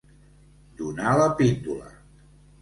Donar la píndola.